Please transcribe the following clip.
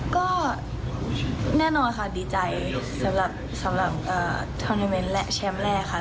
ก็แน่นอนค่ะดีใจสำหรับทอนิเมนต์และแชมป์แรกค่ะ